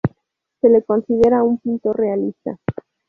Se le considera un pintor realista.